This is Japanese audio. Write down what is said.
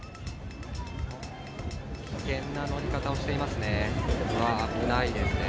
危険な乗り方をしていますね。